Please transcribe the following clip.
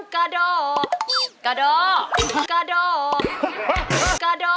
กระด่อ